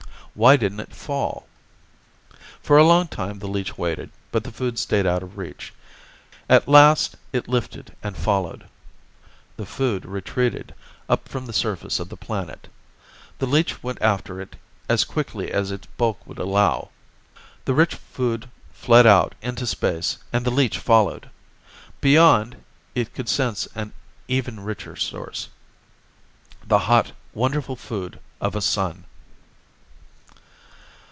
Why didn't it fall? For a long time the leech waited, but the food stayed out of reach. At last, it lifted and followed. The food retreated, up, up from the surface of the planet. The leech went after as quickly as its bulk would allow. The rich food fled out, into space, and the leech followed. Beyond, it could sense an even richer source. The hot, wonderful food of a sun!